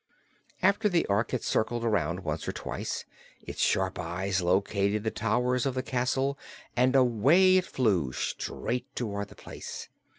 After the Ork had circled around once or twice, its sharp eyes located the towers of the castle and away it flew, straight toward the place.